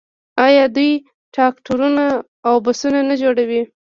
آیا دوی ټراکټورونه او بسونه نه جوړوي؟